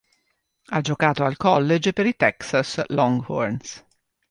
Ha giocato al college per i Texas Longhorns.